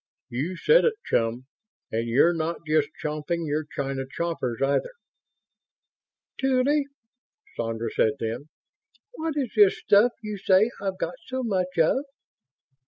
"You said it, chum. And you're not just chomping your china choppers, either." "Tuly," Sandra said then, "What is this stuff you say I've got so much of?"